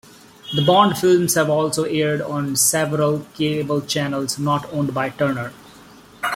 The Bond films have also aired on several cable channels not owned by Turner.